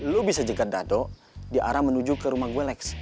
lu bisa jekat dado di arah menuju ke rumah gua lex